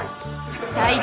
はい。